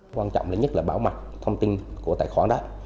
quan trọng nhất là bảo mặt thông tin của tài khoản đó